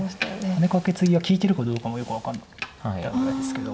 ハネカケツギが利いてるかどうかもよく分かんなかったぐらいですけど。